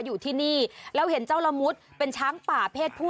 อยู่ที่นี่แล้วเห็นเจ้าละมุดเป็นช้างป่าเพศผู้